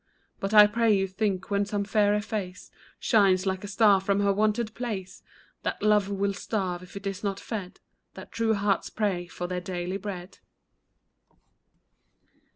But I pray you think when some fairer face Shines like a star from her wonted place, That love will starve if it is not fed ; That true hearts pray for their daily bread.